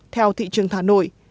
theo thị trường hà nội